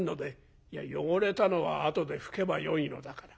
「いや汚れたのは後で拭けばよいのだから。